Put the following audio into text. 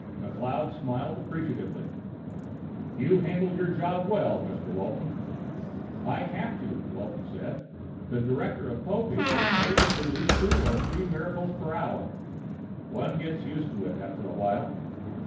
McLeod smiled appreciatively. "You handle your job well, Mr. Walton." "I have to," Walton said. "The director of Popeek is paid to produce two or three miracles per hour. One gets used to it, after a while.